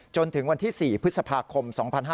จนถึงวันที่๔พฤษภาคม๒๕๕๙